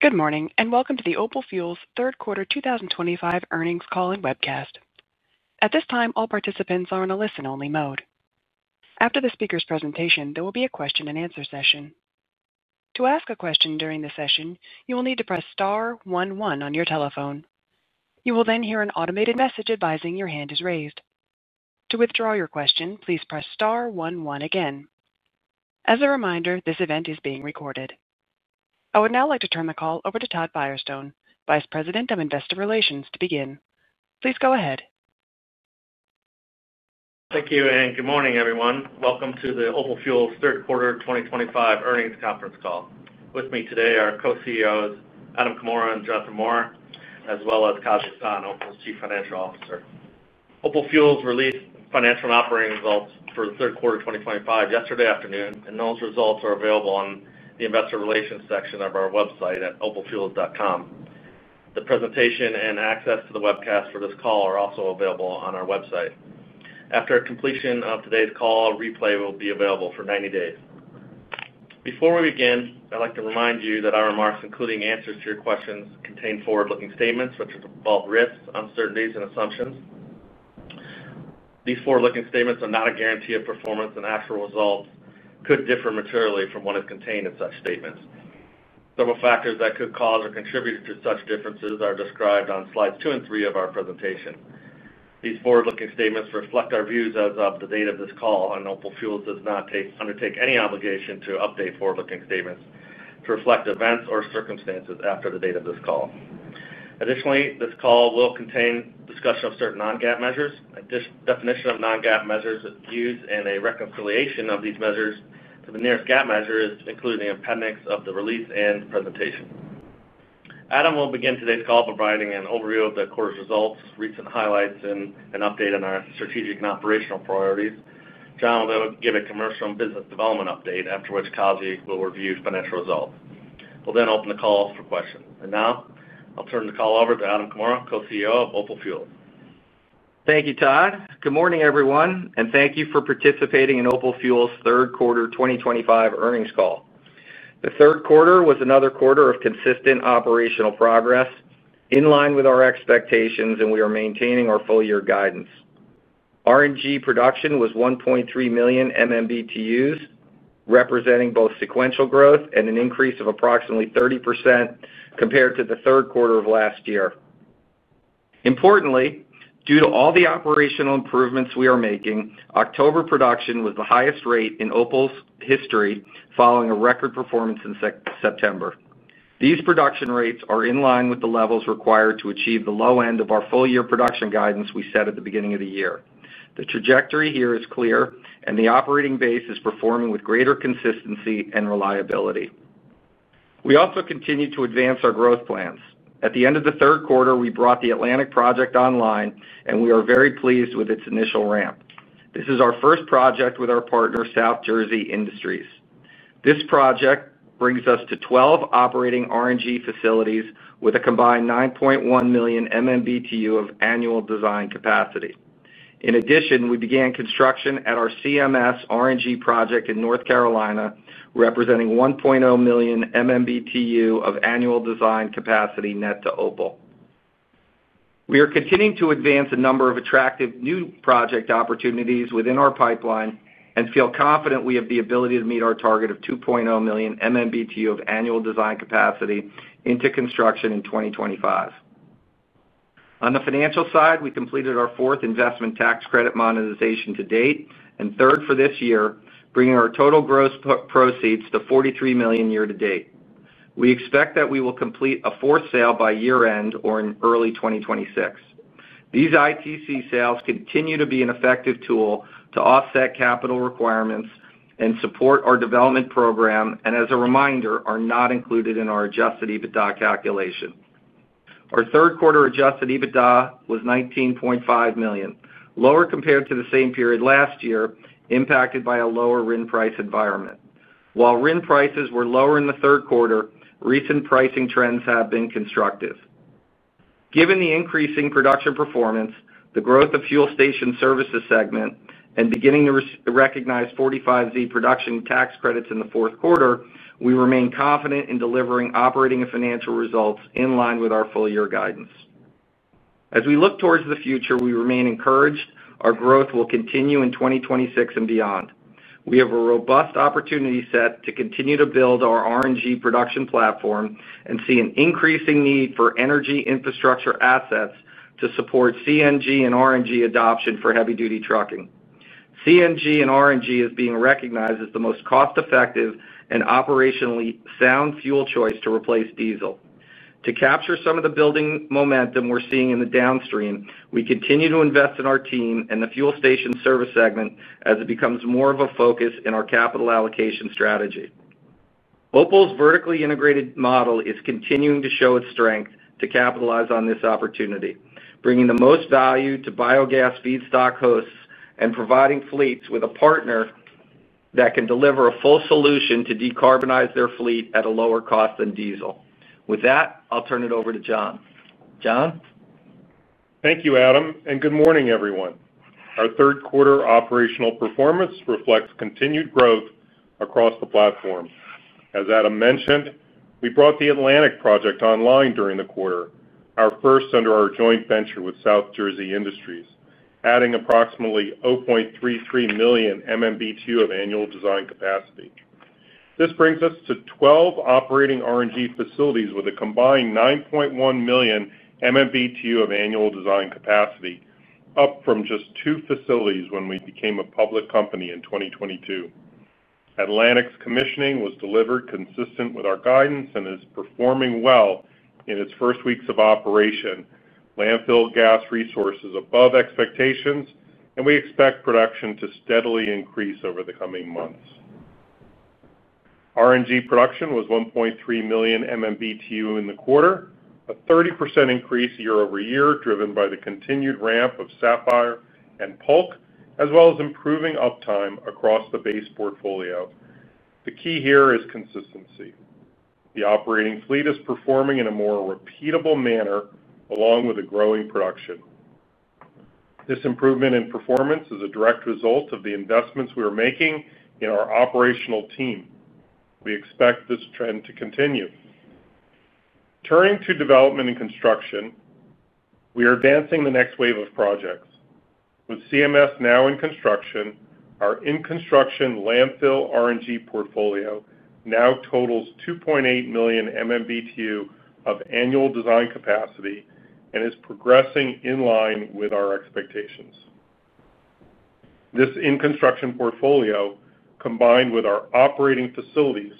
Good morning and welcome to the OPAL Fuels Third Quarter 2025 Earnings Call and Webcast. At this time, all participants are in a listen-only mode. After the speaker's presentation, there will be a question-and-answer session. To ask a question during the session, you will need to press star one one on your telephone. You will then hear an automated message advising your hand is raised. To withdraw your question, please press star one one again. As a reminder, this event is being recorded. I would now like to turn the call over to Todd Firestone, Vice President of Investor Relations, to begin. Please go ahead. Thank you and good morning, everyone. Welcome to the OPAL Fuels third quarter 2025 earnings conference call. With me today are Co-CEOs Adam Comora and Jonathan Maurer, as well as Kazi Hasan, OPAL's Chief Financial Officer. OPAL Fuels released financial and operating results for the third quarter 2025 yesterday afternoon, and those results are available on the Investor Relations section of our website at opalfuels.com. The presentation and access to the webcast for this call are also available on our website. After completion of today's call, a replay will be available for 90 days. Before we begin, I'd like to remind you that our remarks, including answers to your questions, contain forward-looking statements which involve risks, uncertainties, and assumptions. These forward-looking statements are not a guarantee of performance, and actual results could differ materially from what is contained in such statements. Several factors that could cause or contribute to such differences are described on slides two and three of our presentation. These forward-looking statements reflect our views as of the date of this call, and OPAL Fuels does not undertake any obligation to update forward-looking statements to reflect events or circumstances after the date of this call. Additionally, this call will contain discussion of certain non-GAAP measures, a definition of non-GAAP measures used, and a reconciliation of these measures to the nearest GAAP measures, including the appendix of the release and presentation. Adam will begin today's call providing an overview of the quarter's results, recent highlights, and an update on our strategic and operational priorities. Jon will give a commercial and business development update, after which Kazi will review financial results. We'll then open the call for questions. Now, I'll turn the call over to Adam Comora, Co-CEO of OPAL Fuels. Thank you, Todd. Good morning, everyone, and thank you for participating in OPAL Fuels Third Quarter 2025 Earnings Call. The third quarter was another quarter of consistent operational progress in line with our expectations, and we are maintaining our full-year guidance. RNG production was 1.3 million MMBtu, representing both sequential growth and an increase of approximately 30% compared to the third quarter of last year. Importantly, due to all the operational improvements we are making, October production was the highest rate in OPAL's history, following a record performance in September. These production rates are in line with the levels required to achieve the low end of our full-year production guidance we set at the beginning of the year. The trajectory here is clear, and the operating base is performing with greater consistency and reliability. We also continue to advance our growth plans. At the end of the third quarter, we brought the Atlantic project online, and we are very pleased with its initial ramp. This is our first project with our partner, South Jersey Industries. This project brings us to 12 operating RNG facilities with a combined 9.1 million MMBtu of annual design capacity. In addition, we began construction at our CMS RNG project in North Carolina, representing 1.0 million MMBtu of annual design capacity net to OPAL. We are continuing to advance a number of attractive new project opportunities within our pipeline and feel confident we have the ability to meet our target of 2.0 million MMBtu of annual design capacity into construction in 2025. On the financial side, we completed our fourth investment tax credit monetization to date and third for this year, bringing our total gross proceeds to $43 million year to date. We expect that we will complete a fourth sale by year-end or in early 2026. These ITC sales continue to be an effective tool to offset capital requirements and support our development program, and as a reminder, are not included in our adjusted EBITDA calculation. Our third quarter adjusted EBITDA was $19.5 million, lower compared to the same period last year, impacted by a lower RIN price environment. While RIN prices were lower in the third quarter, recent pricing trends have been constructive. Given the increasing production performance, the growth of fuel station services segment, and beginning to recognize 45Z production tax credits in the fourth quarter, we remain confident in delivering operating and financial results in line with our full-year guidance. As we look towards the future, we remain encouraged. Our growth will continue in 2026 and beyond. We have a robust opportunity set to continue to build our RNG production platform and see an increasing need for energy infrastructure assets to support CNG and RNG adoption for heavy-duty trucking. CNG and RNG is being recognized as the most cost-effective and operationally sound fuel choice to replace diesel. To capture some of the building momentum we're seeing in the downstream, we continue to invest in our team and the fuel station service segment as it becomes more of a focus in our capital allocation strategy. OPAL's vertically integrated model is continuing to show its strength to capitalize on this opportunity, bringing the most value to biogas feedstock hosts and providing fleets with a partner that can deliver a full solution to decarbonize their fleet at a lower cost than diesel. With that, I'll turn it over to Jon. Jon. Thank you, Adam, and good morning, everyone. Our third quarter operational performance reflects continued growth across the platform. As Adam mentioned, we brought the Atlantic Project online during the quarter, our first under our joint venture with South Jersey Industries, adding approximately 0.33 million MMBtu of annual design capacity. This brings us to 12 operating RNG facilities with a combined 9.1 million MMBtu of annual design capacity, up from just two facilities when we became a public company in 2022. Atlantic's commissioning was delivered consistent with our guidance and is performing well in its first weeks of operation. Landfill gas resource is above expectations, and we expect production to steadily increase over the coming months. RNG production was 1.3 million MMBtu in the quarter, a 30% increase year-over-year driven by the continued ramp of Sapphire and Polk, as well as improving uptime across the base portfolio. The key here is consistency. The operating fleet is performing in a more repeatable manner along with the growing production. This improvement in performance is a direct result of the investments we are making in our operational team. We expect this trend to continue. Turning to development and construction, we are advancing the next wave of projects. With CMS now in construction, our in-construction landfill RNG portfolio now totals 2.8 million MMBtu of annual design capacity and is progressing in line with our expectations. This in-construction portfolio, combined with our operating facilities,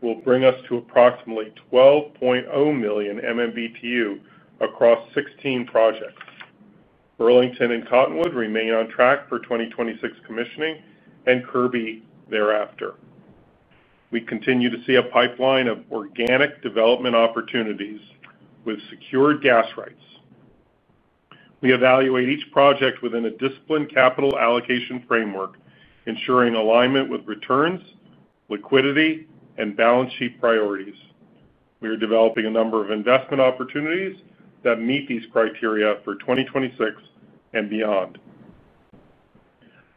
will bring us to approximately 12.0 million MMBtu across 16 projects. Burlington and Cottonwood remain on track for 2026 commissioning and Kirby thereafter. We continue to see a pipeline of organic development opportunities with secured gas rights. We evaluate each project within a disciplined capital allocation framework, ensuring alignment with returns, liquidity, and balance sheet priorities. We are developing a number of investment opportunities that meet these criteria for 2026 and beyond.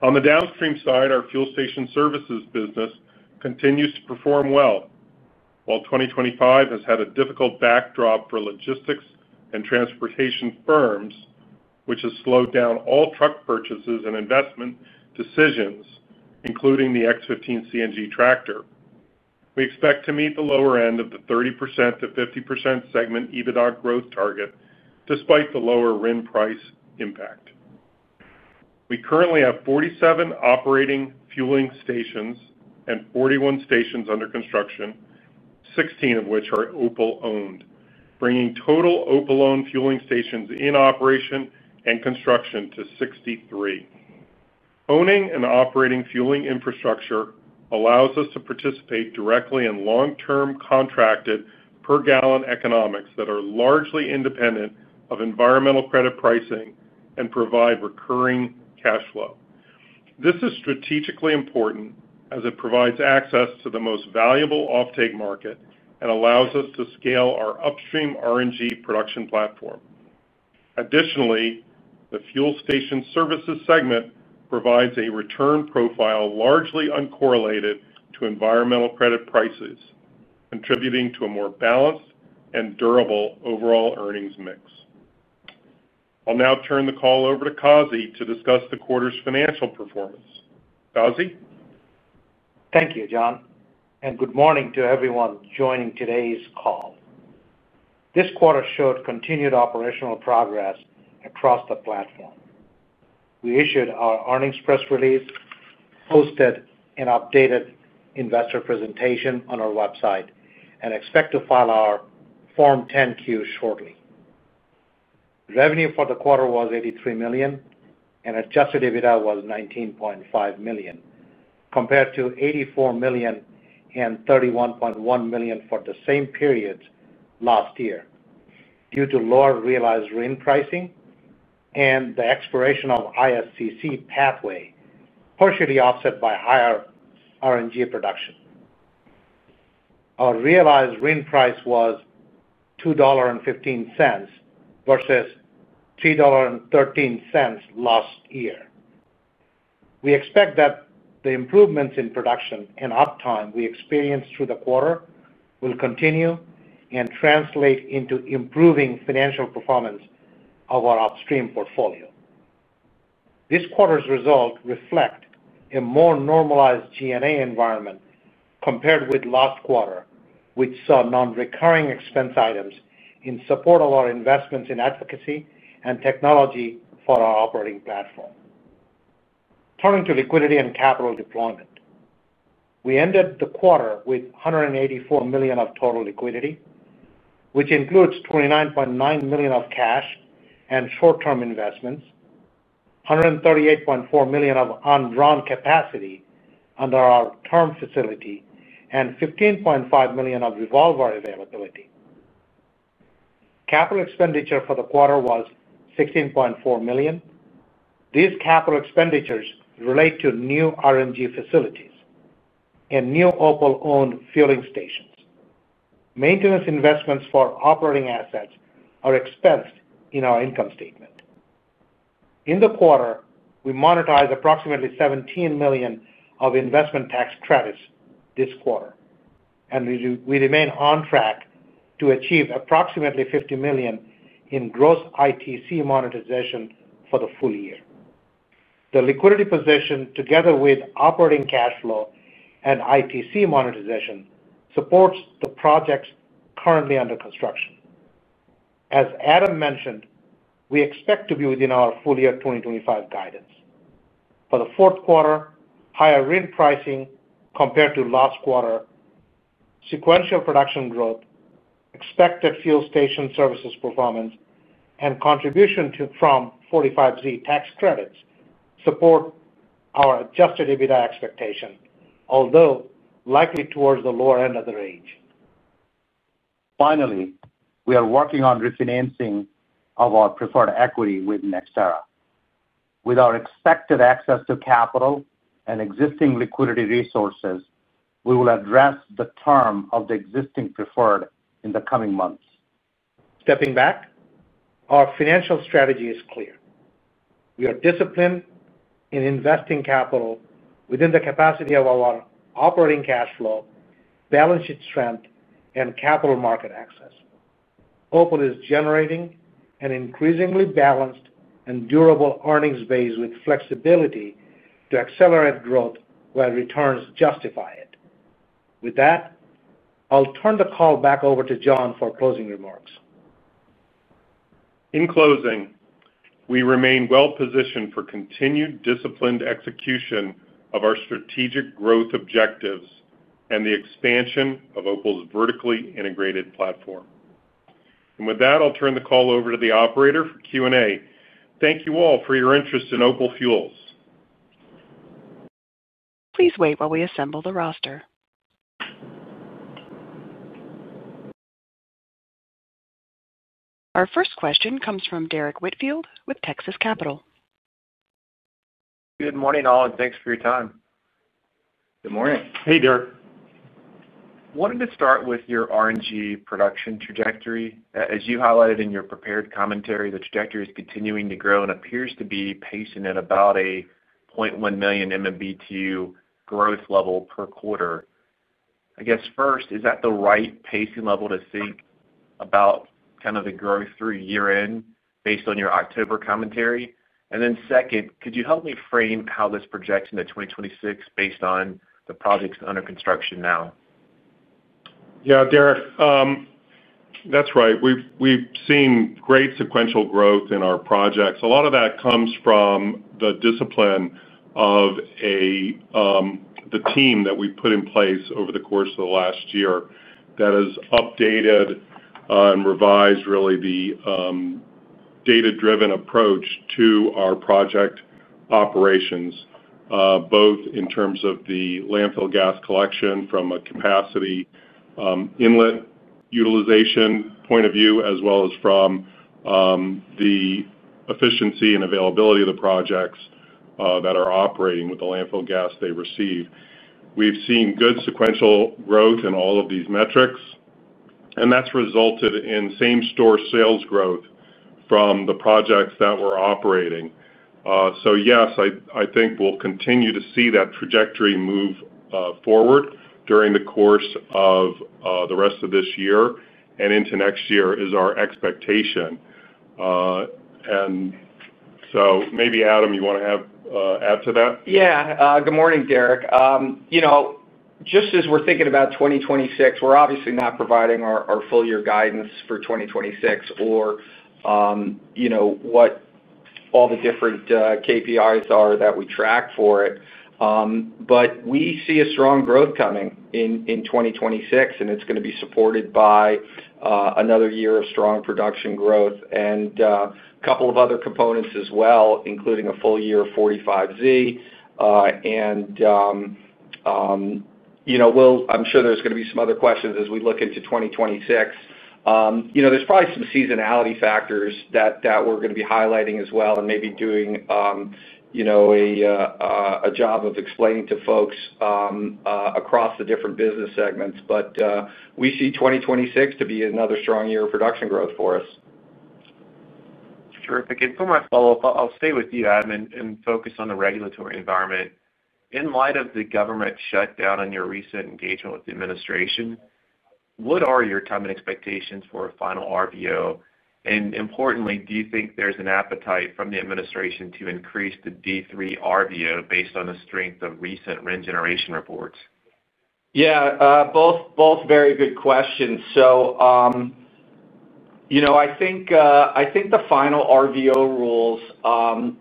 On the downstream side, our fuel station services business continues to perform well, while 2025 has had a difficult backdrop for logistics and transportation firms, which has slowed down all truck purchases and investment decisions, including the X15 CNG tractor. We expect to meet the lower end of the 30%-50% segment EBITDA growth target, despite the lower RIN price impact. We currently have 47 operating fueling stations and 41 stations under construction, 16 of which are OPAL-owned, bringing total OPAL-owned fueling stations in operation and construction to 63. Owning and operating fueling infrastructure allows us to participate directly in long-term contracted per-gallon economics that are largely independent of environmental credit pricing and provide recurring cash flow. This is strategically important as it provides access to the most valuable offtake market and allows us to scale our upstream RNG production platform. Additionally, the fuel station services segment provides a return profile largely uncorrelated to environmental credit prices, contributing to a more balanced and durable overall earnings mix. I'll now turn the call over to Kazi to discuss the quarter's financial performance. Kazi? Thank you, Jon, and good morning to everyone joining today's call. This quarter showed continued operational progress across the platform. We issued our earnings press release, posted an updated investor presentation on our website, and expect to file our Form 10-Q shortly. Revenue for the quarter was $83 million, and adjusted EBITDA was $19.5 million, compared to $84 million and $31.1 million for the same period last year due to lower realized RIN pricing and the expiration of ISCC pathway, partially offset by higher RNG production. Our realized RIN price was $2.15 versus $3.13 last year. We expect that the improvements in production and uptime we experienced through the quarter will continue and translate into improving financial performance of our upstream portfolio. This quarter's result reflects a more normalized G&A environment compared with last quarter, which saw non-recurring expense items in support of our investments in advocacy and technology for our operating platform. Turning to liquidity and capital deployment, we ended the quarter with $184 million of total liquidity, which includes $29.9 million of cash and short-term investments, $138.4 million of undrawn capacity under our term facility, and $15.5 million of revolver availability. Capital expenditure for the quarter was $16.4 million. These capital expenditures relate to new RNG facilities and new OPAL-owned fueling stations. Maintenance investments for operating assets are expensed in our income statement. In the quarter, we monetized approximately $17 million of investment tax credits this quarter, and we remain on track to achieve approximately $50 million in gross ITC monetization for the full year. The liquidity position, together with operating cash flow and ITC monetization, supports the projects currently under construction. As Adam mentioned, we expect to be within our full-year 2025 guidance. For the fourth quarter, higher RIN pricing compared to last quarter, sequential production growth, expected fuel station services performance, and contribution from 45Z tax credits support our adjusted EBITDA expectation, although likely towards the lower end of the range. Finally, we are working on refinancing of our preferred equity with Nexterra. With our expected access to capital and existing liquidity resources, we will address the term of the existing preferred in the coming months. Stepping back, our financial strategy is clear. We are disciplined in investing capital within the capacity of our operating cash flow, balance sheet strength, and capital market access. OPAL is generating an increasingly balanced and durable earnings base with flexibility to accelerate growth while returns justify it. With that, I'll turn the call back over to Jon for closing remarks. In closing, we remain well-positioned for continued disciplined execution of our strategic growth objectives and the expansion of OPAL's vertically integrated platform. With that, I'll turn the call over to the operator for Q&A. Thank you all for your interest in OPAL Fuels. Please wait while we assemble the roster. Our first question comes from Derrick Whitfield with Texas Capital. Good morning, all, and thanks for your time. Good morning. Hey, Derrick. Wanted to start with your RNG production trajectory. As you highlighted in your prepared commentary, the trajectory is continuing to grow and appears to be pacing at about a 0.1 million MMBtu growth level per quarter. I guess first, is that the right pacing level to think about kind of the growth through year-end based on your October commentary? And then second, could you help me frame how this projects into 2026 based on the projects under construction now? Yeah, Derrick, that's right. We've seen great sequential growth in our projects. A lot of that comes from the discipline of the team that we've put in place over the course of the last year that has updated and revised, really, the data-driven approach to our project operations, both in terms of the landfill gas collection from a capacity inlet utilization point of view, as well as from the efficiency and availability of the projects that are operating with the landfill gas they receive. We've seen good sequential growth in all of these metrics, and that's resulted in same-store sales growth from the projects that we're operating. Yes, I think we'll continue to see that trajectory move forward during the course of the rest of this year and into next year is our expectation. Maybe, Adam, you want to add to that? Yeah. Good morning, Derrick. Just as we're thinking about 2026, we're obviously not providing our full-year guidance for 2026 or what all the different KPIs are that we track for it. We see a strong growth coming in 2026, and it's going to be supported by another year of strong production growth and a couple of other components as well, including a full year of 45Z. I'm sure there's going to be some other questions as we look into 2026. There's probably some seasonality factors that we're going to be highlighting as well and maybe doing a job of explaining to folks across the different business segments. We see 2026 to be another strong year of production growth for us. Terrific. For my follow-up, I'll stay with you, Adam, and focus on the regulatory environment. In light of the government shutdown and your recent engagement with the administration, what are your timing and expectations for a final RVO? Importantly, do you think there's an appetite from the administration to increase the D3 RVO based on the strength of recent RIN generation reports? Yeah, both very good questions. I think the final RVO rules,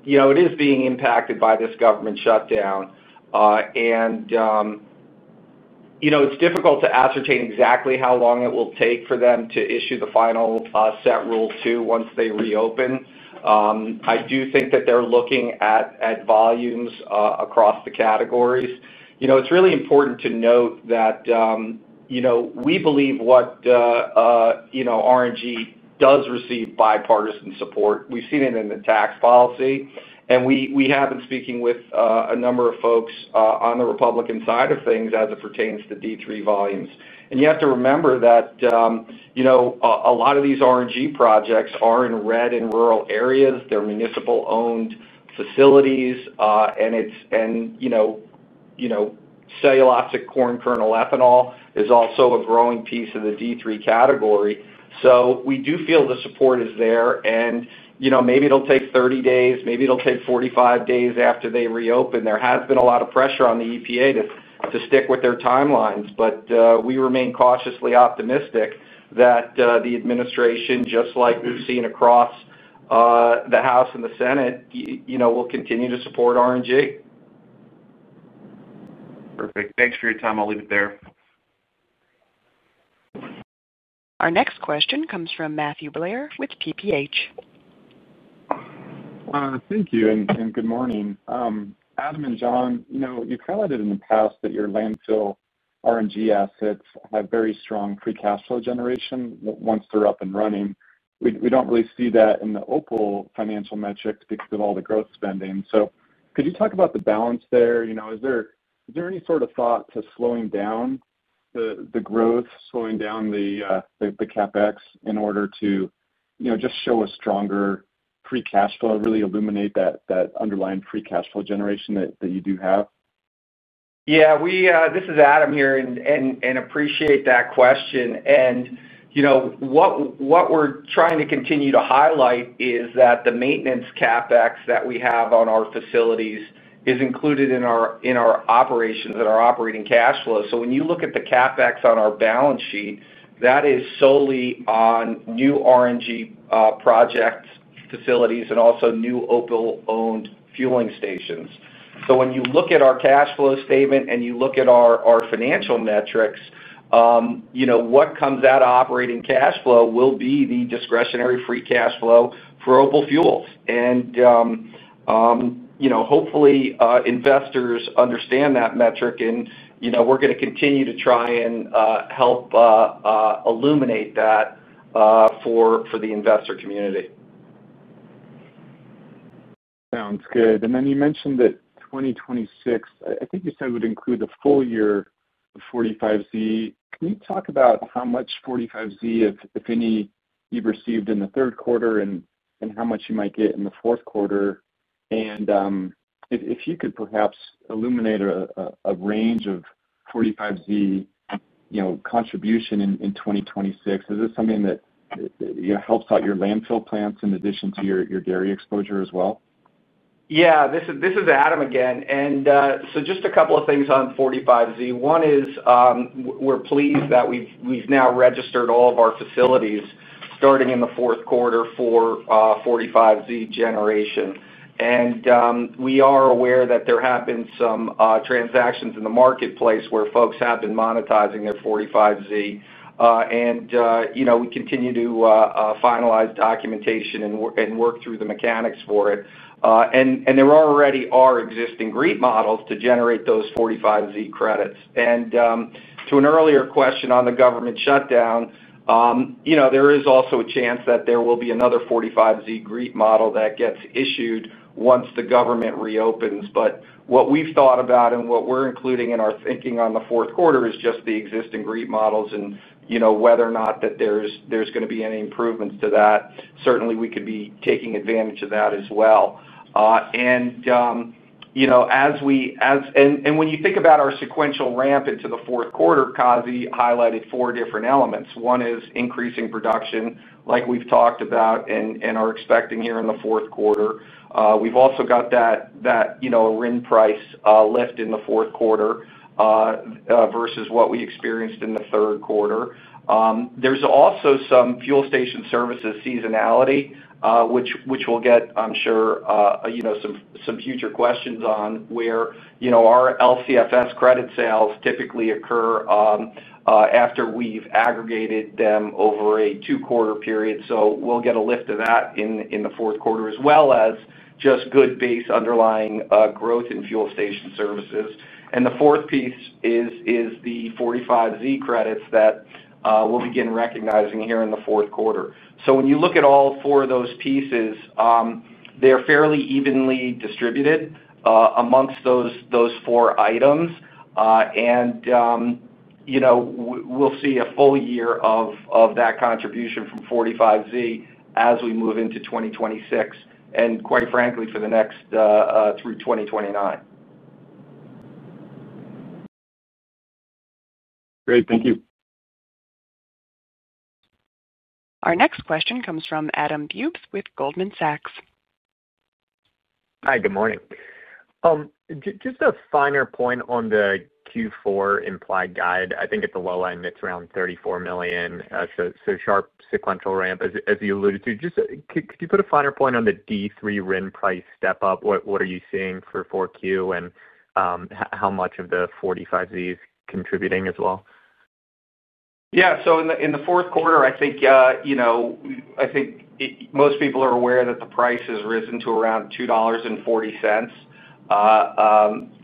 it is being impacted by this government shutdown, and it's difficult to ascertain exactly how long it will take for them to issue the final set rule two once they reopen. I do think that they're looking at volumes across the categories. It's really important to note that we believe what RNG does receive bipartisan support. We've seen it in the tax policy, and we have been speaking with a number of folks on the Republican side of things as it pertains to D3 volumes. You have to remember that a lot of these RNG projects are in red and rural areas. They're municipal-owned facilities, and cellulosic corn kernel ethanol is also a growing piece of the D3 category. We do feel the support is there, and maybe it'll take 30 days. Maybe it'll take 45 days after they reopen. There has been a lot of pressure on the EPA to stick with their timelines, but we remain cautiously optimistic that the administration, just like we've seen across the House and the Senate, will continue to support RNG. Perfect. Thanks for your time. I'll leave it there. Our next question comes from Matthew Blair with TPH. Thank you, and good morning. Adam and Jon, you've highlighted in the past that your landfill RNG assets have very strong free cash flow generation once they're up and running. We don't really see that in the OPAL financial metrics because of all the growth spending. Could you talk about the balance there? Is there any sort of thought to slowing down the growth, slowing down the CapEx in order to just show a stronger free cash flow, really illuminate that underlying free cash flow generation that you do have? Yeah, this is Adam here and appreciate that question. What we're trying to continue to highlight is that the maintenance CapEx that we have on our facilities is included in our operations and our operating cash flow. When you look at the CapEx on our balance sheet, that is solely on new RNG projects, facilities, and also new OPAL-owned fueling stations. When you look at our cash flow statement and you look at our financial metrics, what comes out of operating cash flow will be the discretionary free cash flow for OPAL Fuels. Hopefully, investors understand that metric, and we're going to continue to try and help illuminate that for the investor community. Sounds good. You mentioned that 2026, I think you said would include the full year of 45Z. Can you talk about how much 45Z, if any, you've received in the third quarter and how much you might get in the fourth quarter? If you could perhaps illuminate a range of 45Z contribution in 2026, is this something that helps out your landfill plants in addition to your dairy exposure as well? Yeah, this is Adam again. Just a couple of things on 45Z. One is we're pleased that we've now registered all of our facilities starting in the fourth quarter for 45Z generation. We are aware that there have been some transactions in the marketplace where folks have been monetizing their 45Z. We continue to finalize documentation and work through the mechanics for it. There already are existing GREET models to generate those 45Z credits. To an earlier question on the government shutdown, there is also a chance that there will be another 45Z GREET model that gets issued once the government reopens. What we've thought about and what we're including in our thinking on the fourth quarter is just the existing GREET models and whether or not there's going to be any improvements to that. Certainly, we could be taking advantage of that as well. As we—and when you think about our sequential ramp into the fourth quarter, Kazi highlighted four different elements. One is increasing production, like we've talked about and are expecting here in the fourth quarter. We've also got that RIN price lift in the fourth quarter versus what we experienced in the third quarter. There is also some fuel station services seasonality, which we'll get, I'm sure, some future questions on where our LCFS credit sales typically occur after we've aggregated them over a two-quarter period. We will get a lift of that in the fourth quarter, as well as just good base underlying growth in fuel station services. The fourth piece is the 45Z credits that we'll begin recognizing here in the fourth quarter. When you look at all four of those pieces, they're fairly evenly distributed amongst those four items. We'll see a full year of that contribution from 45Z as we move into 2026, and quite frankly, for the next through 2029. Great. Thank you. Our next question comes from Adam Bubes with Goldman Sachs. Hi, good morning. Just a finer point on the Q4 implied guide. I think at the low end, it's around $34 million. So sharp sequential ramp, as you alluded to. Just could you put a finer point on the D3 RIN price step up? What are you seeing for Q4, and how much of the 45Z is contributing as well? Yeah. In the fourth quarter, I think most people are aware that the price has risen to around $2.40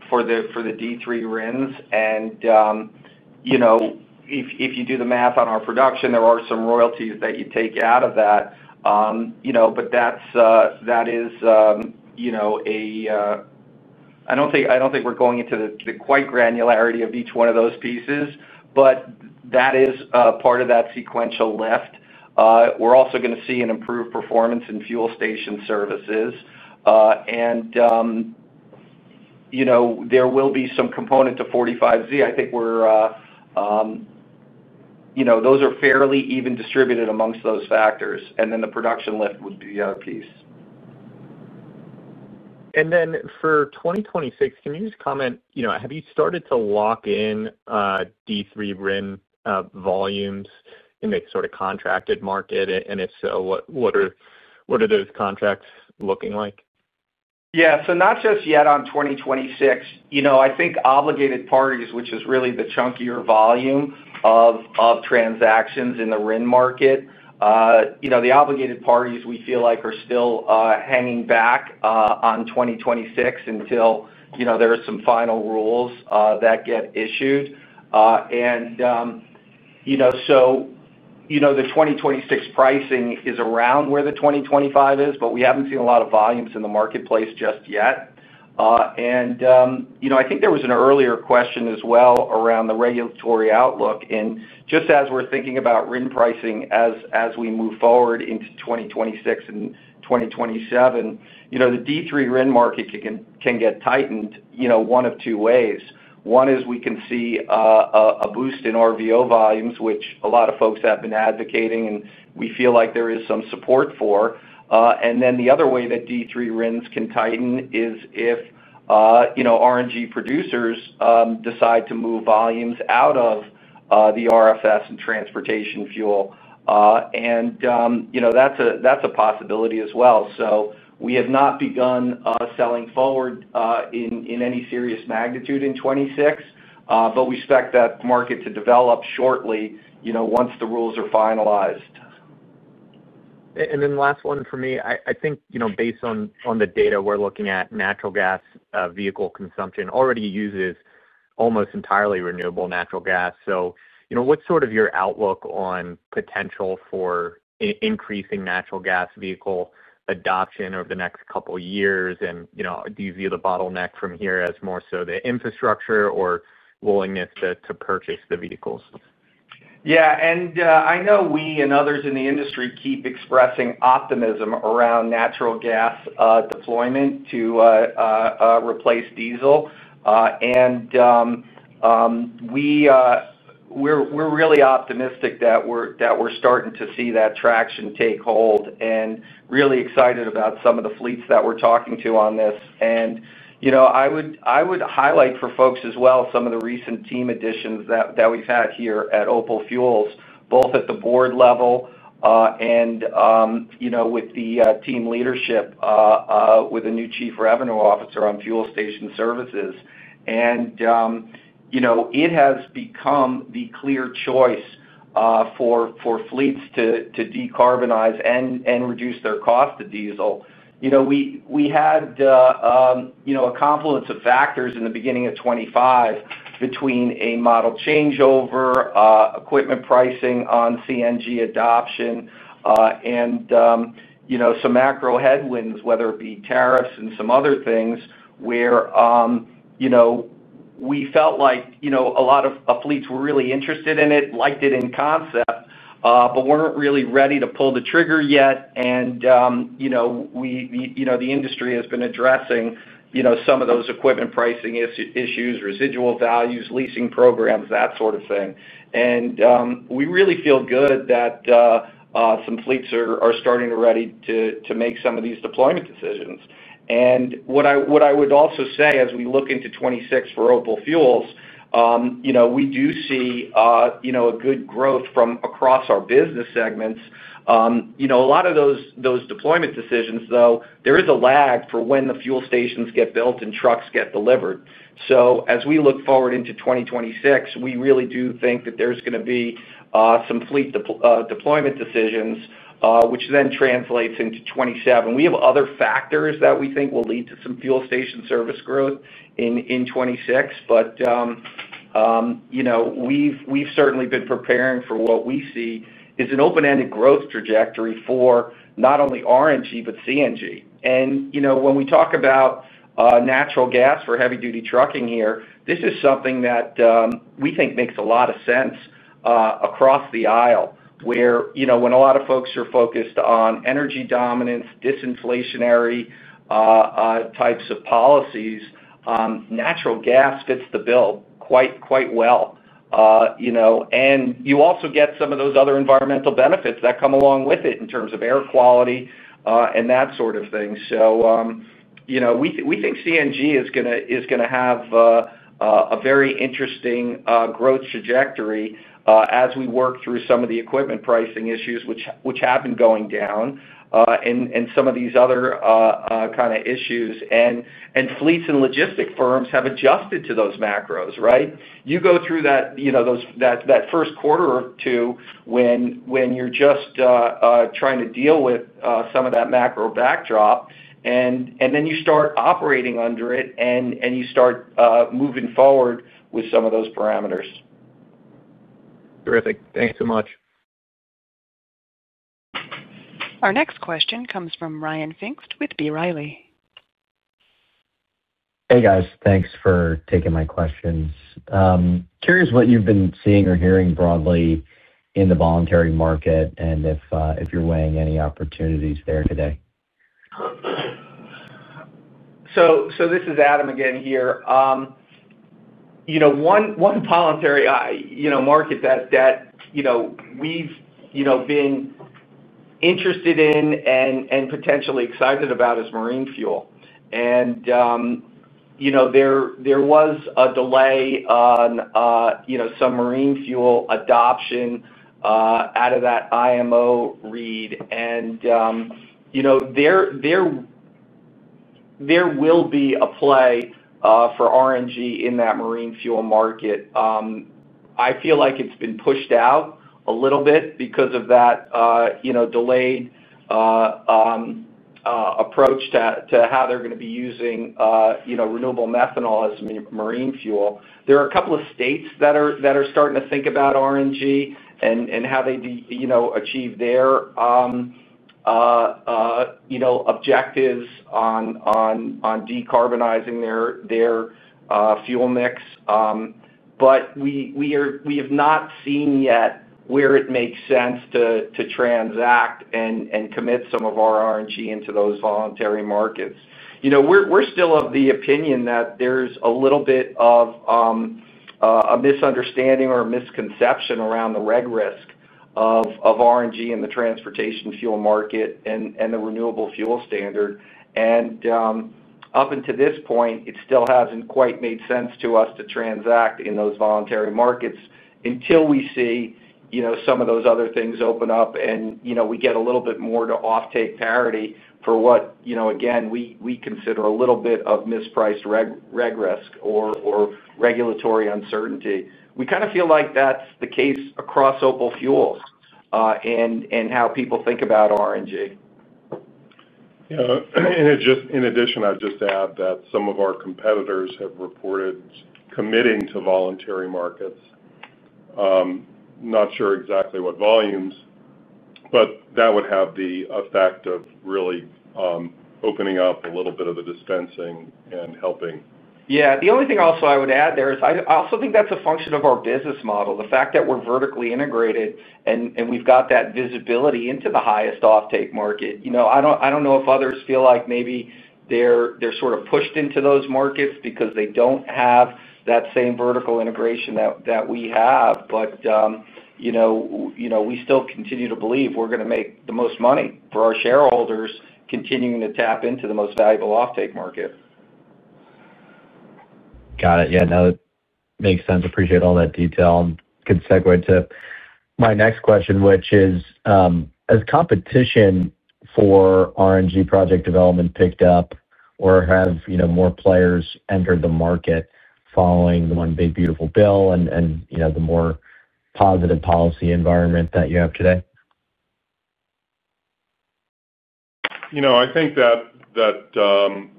for the D3 RINs. If you do the math on our production, there are some royalties that you take out of that. That is a—I do not think we are going into the quite granularity of each one of those pieces, but that is part of that sequential lift. We are also going to see an improved performance in fuel station services. There will be some component to 45Z. I think those are fairly even distributed amongst those factors. The production lift would be the other piece. For 2026, can you just comment? Have you started to lock in D3 RIN volumes in the sort of contracted market? And if so, what are those contracts looking like? Yeah. Not just yet on 2026. I think obligated parties, which is really the chunkier volume of transactions in the RIN market, the obligated parties we feel like are still hanging back on 2026 until there are some final rules that get issued. The 2026 pricing is around where the 2025 is, but we haven't seen a lot of volumes in the marketplace just yet. I think there was an earlier question as well around the regulatory outlook. Just as we're thinking about RIN pricing as we move forward into 2026 and 2027, the D3 RIN market can get tightened one of two ways. One is we can see a boost in RVO volumes, which a lot of folks have been advocating, and we feel like there is some support for. The other way that D3 RINs can tighten is if RNG producers decide to move volumes out of the RFS and transportation fuel. That is a possibility as well. We have not begun selling forward in any serious magnitude in 2026, but we expect that market to develop shortly once the rules are finalized. Last one for me, I think based on the data we're looking at, natural gas vehicle consumption already uses almost entirely renewable natural gas. What is your outlook on potential for increasing natural gas vehicle adoption over the next couple of years? Do you view the bottleneck from here as more so the infrastructure or willingness to purchase the vehicles? Yeah. I know we and others in the industry keep expressing optimism around natural gas deployment to replace diesel. We are really optimistic that we are starting to see that traction take hold and really excited about some of the fleets that we are talking to on this. I would highlight for folks as well some of the recent team additions that we have had here at OPAL Fuels, both at the board level and with the team leadership, with a new Chief Revenue Officer on fuel station services. It has become the clear choice for fleets to decarbonize and reduce their cost of diesel. We had a confluence of factors in the beginning of 2025 between a model changeover, equipment pricing on CNG adoption, and some macro headwinds, whether it be tariffs and some other things where we felt like a lot of fleets were really interested in it, liked it in concept, but were not really ready to pull the trigger yet. The industry has been addressing some of those equipment pricing issues, residual values, leasing programs, that sort of thing. We really feel good that some fleets are starting to be ready to make some of these deployment decisions. What I would also say as we look into 2026 for OPAL Fuels, we do see good growth from across our business segments. A lot of those deployment decisions, though, there is a lag for when the fuel stations get built and trucks get delivered. As we look forward into 2026, we really do think that there's going to be some fleet deployment decisions, which then translates into 2027. We have other factors that we think will lead to some fuel station service growth in 2026, but we've certainly been preparing for what we see is an open-ended growth trajectory for not only RNG, but CNG. When we talk about natural gas for heavy-duty trucking here, this is something that we think makes a lot of sense across the aisle where when a lot of folks are focused on energy dominance, disinflationary types of policies, natural gas fits the bill quite well. You also get some of those other environmental benefits that come along with it in terms of air quality and that sort of thing. We think CNG is going to have a very interesting growth trajectory as we work through some of the equipment pricing issues, which have been going down, and some of these other kind of issues. Fleets and logistic firms have adjusted to those macros, right? You go through that first quarter or two when you're just trying to deal with some of that macro backdrop, and then you start operating under it, and you start moving forward with some of those parameters. Terrific. Thanks so much. Our next question comes from Ryan Pfingst with B. Riley. Hey, guys. Thanks for taking my questions. Curious what you've been seeing or hearing broadly in the voluntary market and if you're weighing any opportunities there today? This is Adam again here. One voluntary market that we've been interested in and potentially excited about is marine fuel. There was a delay on some marine fuel adoption out of that IMO read. There will be a play for RNG in that marine fuel market. I feel like it's been pushed out a little bit because of that delayed approach to how they're going to be using renewable methanol as marine fuel. There are a couple of states that are starting to think about RNG and how they achieve their objectives on decarbonizing their fuel mix. We have not seen yet where it makes sense to transact and commit some of our RNG into those voluntary markets. We're still of the opinion that there's a little bit of a misunderstanding or a misconception around the reg risk of RNG in the transportation fuel market and the renewable fuel standard. Up until this point, it still hasn't quite made sense to us to transact in those voluntary markets until we see some of those other things open up and we get a little bit more to offtake parity for what, again, we consider a little bit of mispriced reg risk or regulatory uncertainty. We kind of feel like that's the case across OPAL Fuels and how people think about RNG. Yeah. In addition, I'd just add that some of our competitors have reported committing to voluntary markets. Not sure exactly what volumes, but that would have the effect of really opening up a little bit of the dispensing and helping. Yeah. The only thing also I would add there is I also think that's a function of our business model. The fact that we're vertically integrated and we've got that visibility into the highest offtake market. I don't know if others feel like maybe they're sort of pushed into those markets because they don't have that same vertical integration that we have. We still continue to believe we're going to make the most money for our shareholders continuing to tap into the most valuable offtake market. Got it. Yeah. No, that makes sense. Appreciate all that detail. Good segue to my next question, which is, has competition for RNG project development picked up or have more players entered the market following the one big beautiful bill and the more positive policy environment that you have today? I think that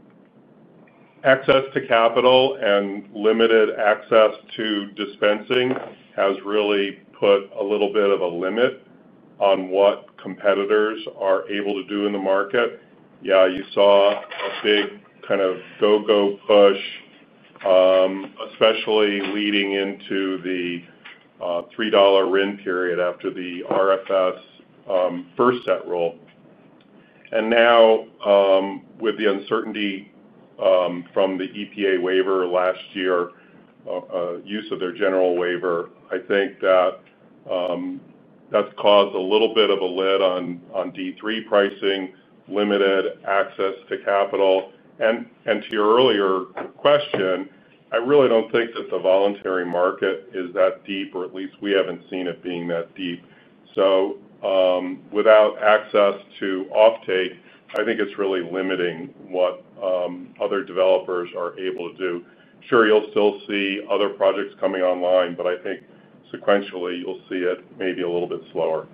access to capital and limited access to dispensing has really put a little bit of a limit on what competitors are able to do in the market. Yeah, you saw a big kind of go-go push, especially leading into the $3 RIN period after the RFS first set rule. And now, with the uncertainty from the EPA waiver last year, use of their general waiver, I think that that's caused a little bit of a lid on D3 pricing, limited access to capital. To your earlier question, I really do not think that the voluntary market is that deep, or at least we have not seen it being that deep. Without access to offtake, I think it is really limiting what other developers are able to do. Sure, you will still see other projects coming online, but I think sequentially you will see it maybe a little bit slower.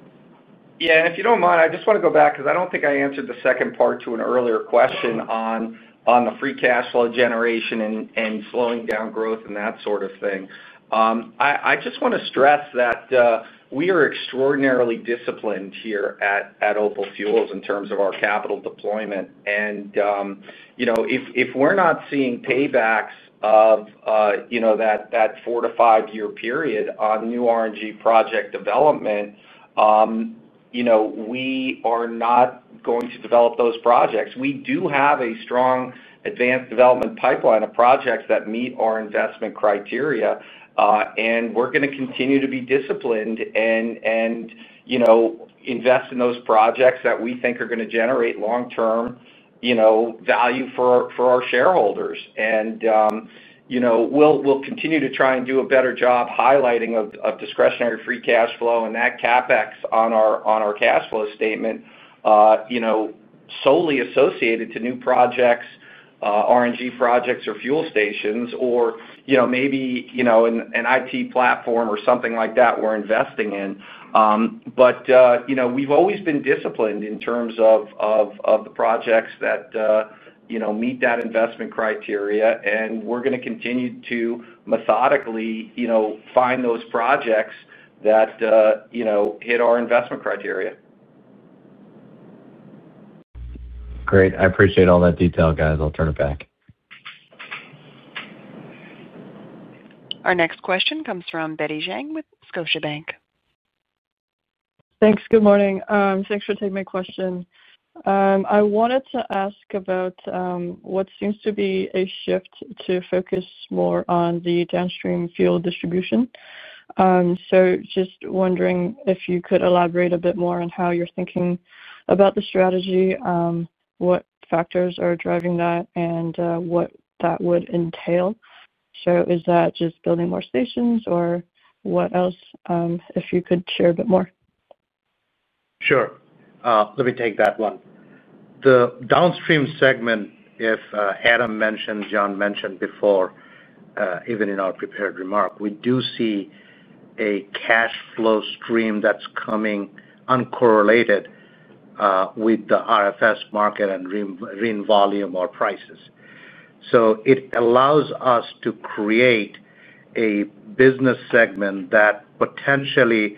Yeah. If you do not mind, I just want to go back because I do not think I answered the second part to an earlier question on the free cash flow generation and slowing down growth and that sort of thing. I just want to stress that we are extraordinarily disciplined here at OPAL Fuels in terms of our capital deployment. If we are not seeing paybacks of that four- to five-year period on new RNG project development, we are not going to develop those projects. We do have a strong advanced development pipeline of projects that meet our investment criteria. We are going to continue to be disciplined and invest in those projects that we think are going to generate long-term value for our shareholders. We will continue to try and do a better job highlighting discretionary free cash flow and that CapEx on our cash flow statement solely associated to new projects, RNG projects or fuel stations, or maybe an IT platform or something like that we are investing in. We have always been disciplined in terms of the projects that meet that investment criteria. We are going to continue to methodically find those projects that hit our investment criteria. Great. I appreciate all that detail, guys. I'll turn it back. Our next question comes from Betty Zhang with Scotiabank. Thanks. Good morning. Thanks for taking my question. I wanted to ask about what seems to be a shift to focus more on the downstream fuel distribution. Just wondering if you could elaborate a bit more on how you're thinking about the strategy, what factors are driving that, and what that would entail? Is that just building more stations or what else? If you could share a bit more. Sure. Let me take that one. The downstream segment, if Adam mentioned, Jon mentioned before, even in our prepared remark, we do see a cash flow stream that is coming uncorrelated with the RFS market and RIN volume or prices. It allows us to create a business segment that potentially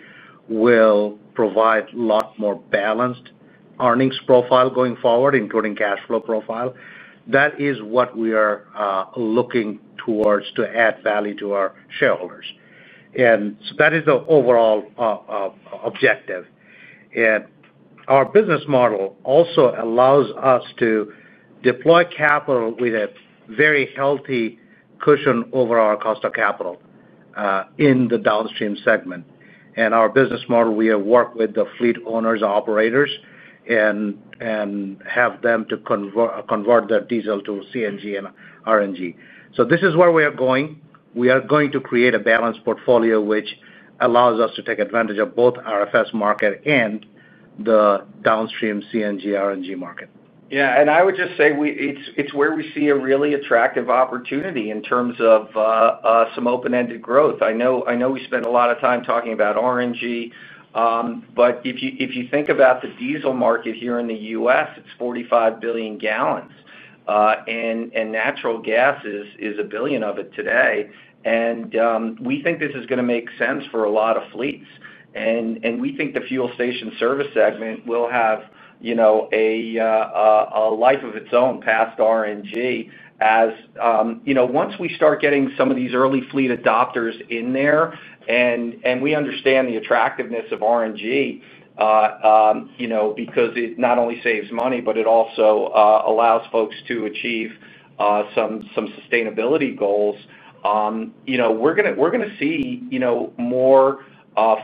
will provide a lot more balanced earnings profile going forward, including cash flow profile. That is what we are looking towards to add value to our shareholders. That is the overall objective. Our business model also allows us to deploy capital with a very healthy cushion over our cost of capital in the downstream segment. Our business model, we have worked with the fleet owners, operators, and have them to convert their diesel to CNG and RNG. This is where we are going. We are going to create a balanced portfolio which allows us to take advantage of both RFS market and the downstream CNG RNG market. Yeah. I would just say it's where we see a really attractive opportunity in terms of some open-ended growth. I know we spent a lot of time talking about RNG, but if you think about the diesel market here in the U.S., it's 45 billion gallons. Natural gas is a billion of it today. We think this is going to make sense for a lot of fleets. We think the fuel station service segment will have a life of its own past RNG as once we start getting some of these early fleet adopters in there, and we understand the attractiveness of RNG because it not only saves money, but it also allows folks to achieve some sustainability goals. We're going to see more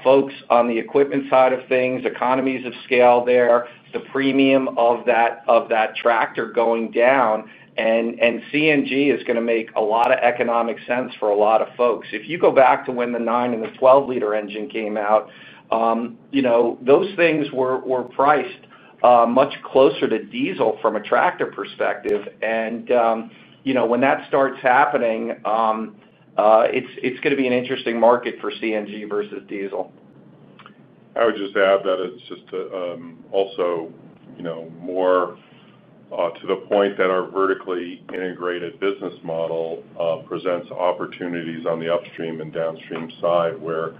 folks on the equipment side of things, economies of scale there, the premium of that tractor going down. CNG is going to make a lot of economic sense for a lot of folks. If you go back to when the 9 and the 12-liter engine came out, those things were priced much closer to diesel from a tractor perspective. When that starts happening, it's going to be an interesting market for CNG versus diesel. I would just add that it's just also more to the point that our vertically integrated business model presents opportunities on the upstream and downstream side where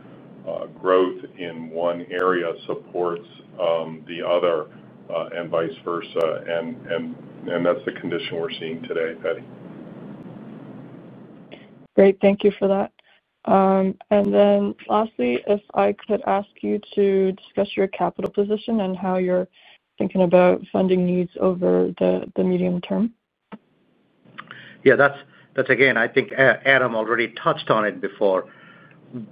growth in one area supports the other and vice versa. That's the condition we're seeing today, Betty. Great. Thank you for that. Lastly, if I could ask you to discuss your capital position and how you're thinking about funding needs over the medium term. Yeah. That's, again, I think Adam already touched on it before.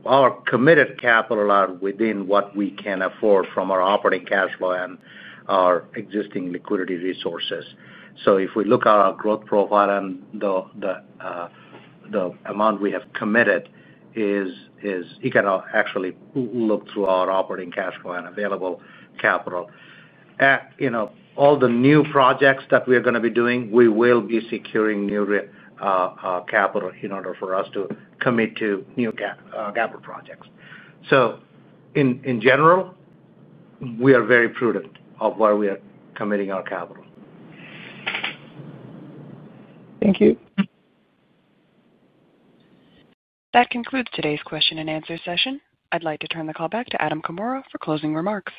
Our committed capital are within what we can afford from our operating cash flow and our existing liquidity resources. If we look at our growth profile and the amount we have committed, you can actually look through our operating cash flow and available capital. All the new projects that we are going to be doing, we will be securing new capital in order for us to commit to new capital projects. In general, we are very prudent of where we are committing our capital. Thank you. That concludes today's question and answer session. I'd like to turn the call back to Adam Comora for closing remarks.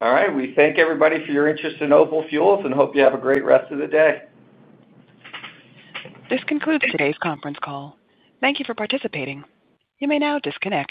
All right. We thank everybody for your interest in OPAL Fuels and hope you have a great rest of the day. This concludes today's conference call. Thank you for participating. You may now disconnect.